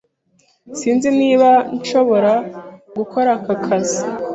Sinzi niba nshobora gukora aka kazi.